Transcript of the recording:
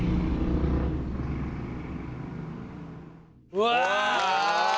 うわ！